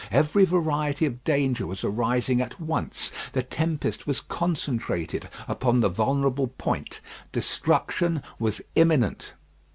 Every variety of danger was arising at once; the tempest was concentrated upon the vulnerable point; destruction was imminent.